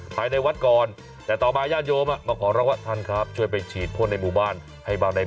ภายในวัดก่อนแต่ต่อมาญาติโยมมาขอร้องว่าท่านครับช่วยไปฉีดพ่นในหมู่บ้านให้บ้างได้ไหม